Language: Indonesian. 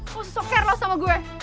kau susah care loss sama gue